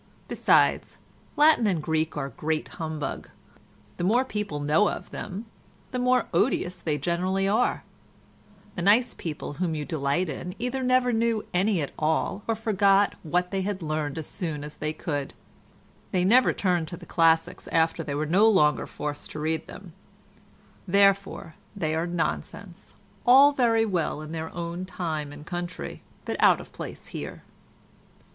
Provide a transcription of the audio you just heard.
Besides, Latin and Greek are great humbug; the more people know of them the more odious they generally are; the nice people whom you delight in either never knew any at all or forgot what they had learned as soon as they could; they never turned to the classics after they were no longer forced to read them; therefore they are nonsense, all very well in their own time and country, but out of place here.